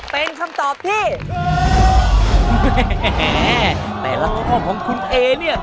เป็นแล้วเขาของคุณเอเนี่ย